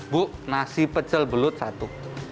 bu nasi pecel belut satu